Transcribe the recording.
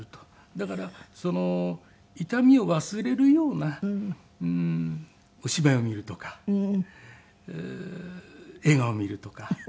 だから痛みを忘れるようなお芝居を見るとか映画を見るとか。